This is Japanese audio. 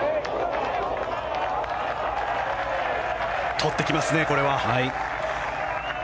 取ってきますね、これは。